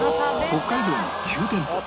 北海道に９店舗